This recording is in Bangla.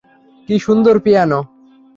কি সুন্দর পিয়ানো!